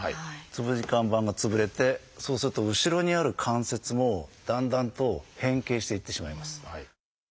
椎間板が潰れてそうすると後ろにある関節もだんだんと変形していってしまいます。